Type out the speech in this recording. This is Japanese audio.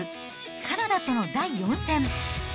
カナダとの第４戦。